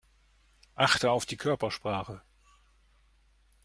Achte auf die Körpersprache.